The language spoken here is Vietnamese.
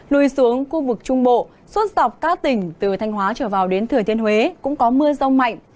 lùi xuống khu vực trung bộ suốt dọc các tỉnh từ thanh hóa trở vào đến thừa thiên huế cũng có mưa rông mạnh